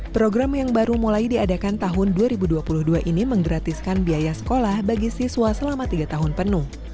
program yang baru mulai diadakan tahun dua ribu dua puluh dua ini menggratiskan biaya sekolah bagi siswa selama tiga tahun penuh